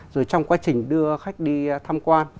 rồi trong quá trình đưa khách đi tham quan